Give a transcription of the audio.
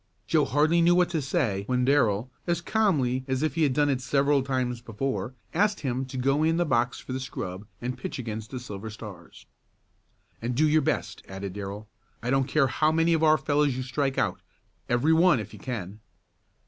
Joe hardly knew what to say when Darrell, as calmly as if he had done it several times before, asked him to go in the box for the scrub and pitch against the Silver Stars. "And do your best," added Darrell. "I don't care how many of our fellows you strike out. Every one, if you can."